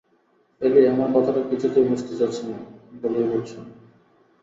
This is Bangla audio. এলী, আমার কথাটা কিছুতে বুঝতে চাচ্ছ না বলেই বুঝছ না।